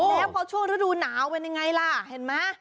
แล้วพอช่วงฤดูหนาวเป็นยังไงล่ะเห็นไหม